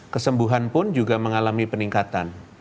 kesembuhan pun juga mengalami peningkatan